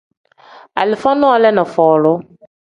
Alifa nole ni folu.